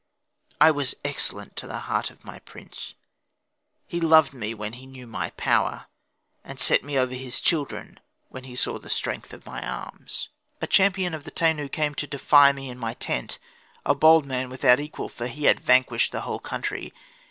I was excellent to the heart of my prince; he loved me when he knew my power, and set me over his children when he saw the strength of my arms. A champion of the Tenu came to defy me in my tent: a bold man without equal, for he had vanquished the whole country.